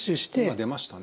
今出ましたね。